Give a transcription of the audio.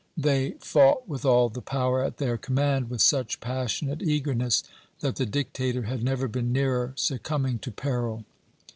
They fought with all the power at their command, with such passionate eagerness, that the dictator had never been nearer succumbing to peril.